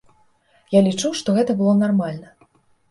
Я лічу, што гэта было нармальна.